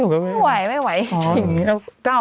ไม่ไหวไม่ไหวจริง